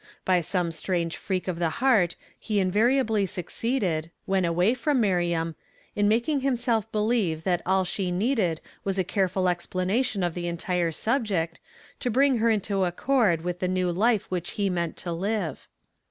liy some strange freak of the heart he invariably succeeded, when away from Miriam, in making himself be lieve that all she needed was a careful explana tion of the entire subject, to bring her into accord with the new life which he meant to live.